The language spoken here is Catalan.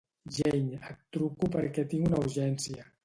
Jane, et truco perquè tinc una urgència.